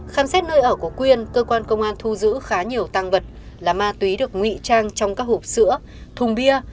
khám xét nơi ở của quyên cơ quan công an thu giữ khá nhiều tăng vật là ma túy được ngụy trang trong các hộp sữa thùng bia